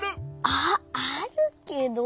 ああるけど。